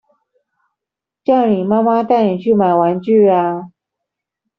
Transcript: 叫你媽媽帶你去買玩具啊